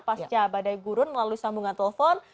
pasca badai gurun melalui sambungan telepon